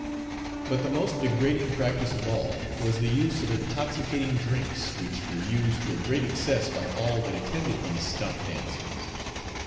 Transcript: But the most degrading practice of all, was the use of intoxicating drinks, which were used to a great excess by all that attended these stump dances.